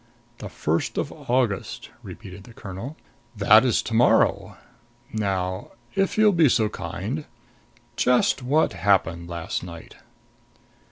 "The first of August," repeated the colonel. "That is to morrow. Now if you'll be so kind just what happened last night?"